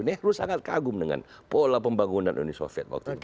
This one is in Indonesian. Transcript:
nekru sangat kagum dengan pola pembangunan uni soviet waktu itu